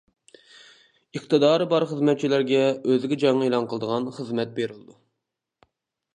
ئىقتىدارى بار خىزمەتچىلەرگە ئۆزىگە جەڭ ئېلان قىلىدىغان خىزمەت بېرىلىدۇ.